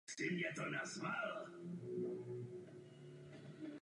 Posilte svoji věrohodnost v tomto odvětví!